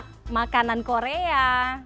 masak makanan korea